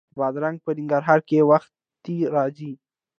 بادرنګ په ننګرهار کې وختي راځي